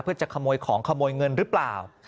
เพื่อจะขโมยของขโมยเงินหรือเปล่า